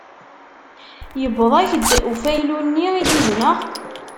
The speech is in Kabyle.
Yewweḍ-ak-d ufaylu-nni i d-uzneɣ?